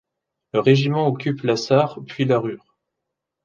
Le régiment occupe la Sarre puis la Ruhr.